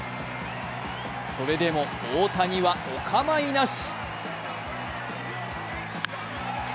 それでも、大谷はお構いなし。